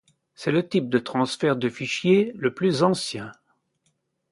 C'est le type de transfert de fichier le plus ancien.